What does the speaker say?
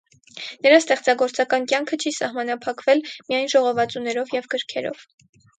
Նրա ստեղծագործական կյանքը չի սահմանապակվել միայն ժողովածուներով և գրքերով։